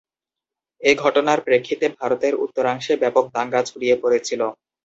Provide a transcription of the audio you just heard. এ ঘটনার প্রেক্ষিতে ভারতের উত্তরাংশে ব্যাপক দাঙ্গা ছড়িয়ে পড়েছিল।